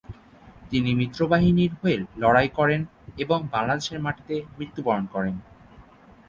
তিনি মিত্রবাহিনীর হয়ে লড়াই করেন এবং বাংলাদেশের মাটিতে মৃত্যুবরণ করেন।